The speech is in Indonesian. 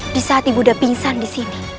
di saat ibu udah pingsan disini